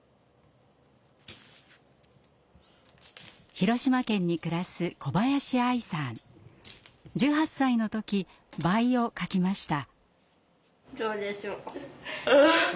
広島県に暮らす１８歳の時「倍」を書きました。